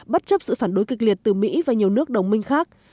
bất chấp sự phản đối kịch liệt từ mỹ và nhiều nước đồng minh khác